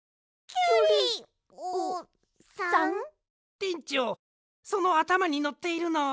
てんちょうそのあたまにのっているのは。